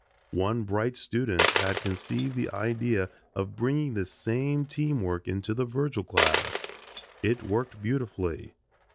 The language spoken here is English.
One bright student had conceived the idea of bringing this same team work into the Virgil class. It worked beautifully.